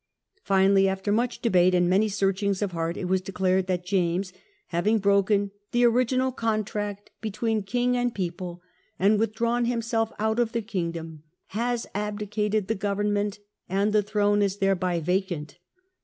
Finally, 98 THE DECLARATION OF RIGHT. after much debate and many searchings of heart, it was declared that James having broken " the original contract between king and people and withdrawn himself out of the kingdom, has abdicated the government, and the throne is thereby vacant".